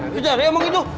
liat emang itu